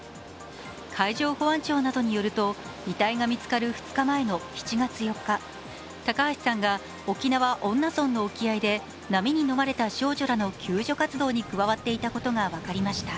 海上保安庁などによると、遺体が見つかる２日前の７月４日、高橋さんが沖縄・恩納村の沖合で波に飲まれた少女らの救助活動に加わっていたことが分かりました。